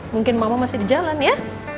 mungkin mama masih di jalan ya